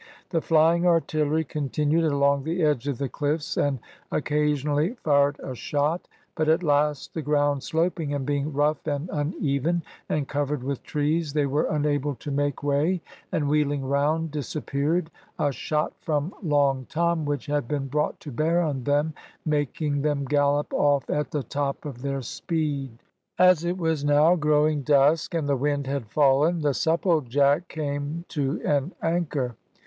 The flying artillery continued along the edge of the cliffs and occasionally fired a shot, but at last, the ground sloping, and being rough and uneven, and covered with trees, they were unable to make way, and wheeling round, disappeared, a shot from Long Tom, which had been brought to bear on them, making them gallop off at the top of their speed. As it was now growing dusk and the wind had fallen, the Supplejack came to an anchor.